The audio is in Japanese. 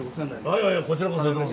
あいやいやこちらこそどうも。